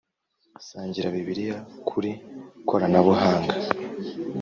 sangira bibliya kuri koranabuhanga